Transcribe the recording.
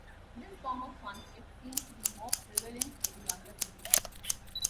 This form of conflict seems to be more prevalent in the younger sibling.